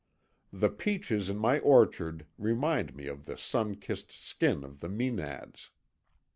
The peaches in my orchard remind me of the sun kissed skin of the Mænads.